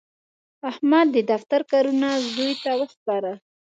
احمد د دفتر کارونه زوی ته وسپارل.